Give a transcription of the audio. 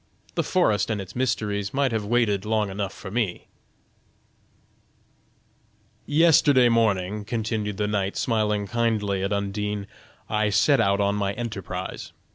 The forest and its mysteries might have waited long enough for me!" "Yesterday morning." continued the knight, smiling kindly at Undine, "I set out on my enterprise.